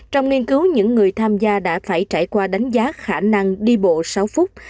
trong nghiên cứu những người tham gia đã phải trải qua đánh giá khả năng đi bộ sáu phút